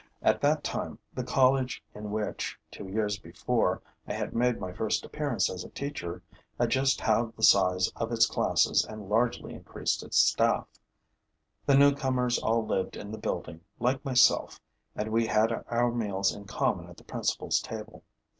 At that time, the college in which, two years before, I had made my first appearance as a teacher, had just halved the size of its classes and largely increased its staff. The newcomers all lived in the building, like myself, and we had our meals in common at the principal's table.